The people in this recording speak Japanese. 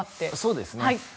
そうですね。